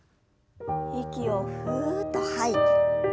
息をふっと吐いて。